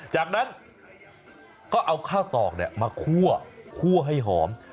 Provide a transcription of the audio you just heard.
จากนั้นก็เอาข้าวตอกมาคั่วให้หอม